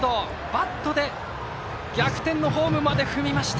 バットで逆転のホームまで踏みました。